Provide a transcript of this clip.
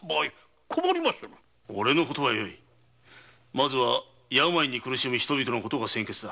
まずは病に苦しむ人々の事が先決だ。